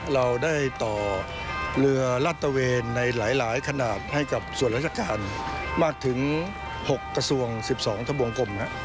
เราได้ต่อเรือลาดตะเวนในหลายขนาดให้กับส่วนราชการมากถึง๖กระทรวง๑๒ทะบวงกลม